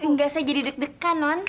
enggak saya jadi deg degan non